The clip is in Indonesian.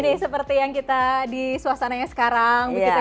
ini seperti yang kita di suasananya sekarang